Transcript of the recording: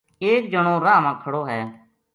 ایک جنو راہ ما کھڑو ہے